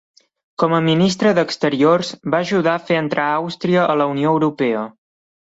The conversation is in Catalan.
Com a ministre d'Exteriors, va ajudar a fer entrar Àustria a la unió Europea.